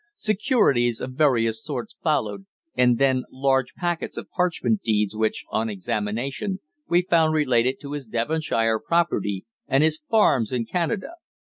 Securities of various sorts followed, and then large packets of parchment deeds which, on examination, we found related to his Devonshire property and his farms in Canada.